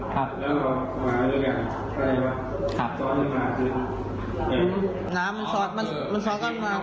คือข้อแม้จะมีข้อแม้มาก